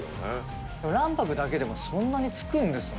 卵白だけでもそんなにつくんですね